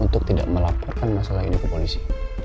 untuk tidak melaporkan masalah ini ke polisi